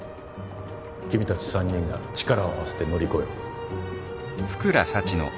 君たち３人が力を合わせて乗り越えろ福良幸の